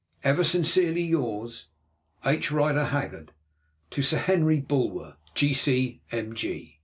Ever sincerely yours, H. RIDER HAGGARD. To Sir Henry Bulwer, G.C.M.